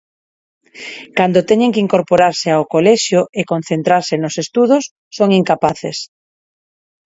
Cando teñen que incorporarse ao colexio e concentrarse nos estudos son incapaces.